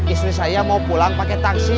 istri saya mau pulang pakai taksi